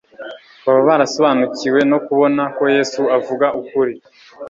baba barasobanukiwe no kubona ko Yesu avuga ukuri.